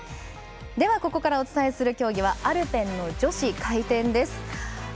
ではここからお伝えする競技はアルペンの女子回転です。